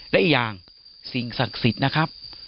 และอีกอย่างสิ่งศักดิ์สิทธิ์นะครับ